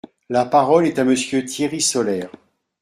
La parole est à Monsieur Thierry Solère.